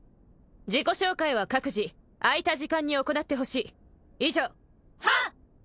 自己紹介は各自空いた時間に行ってほしい以上はっ！